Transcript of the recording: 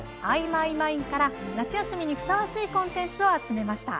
まいん！」から夏休みにふさわしいコンテンツを集めました。